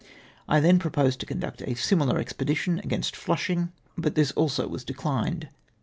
I then proposed to conduct a similar expedition against Fhishing, but this also was dechned.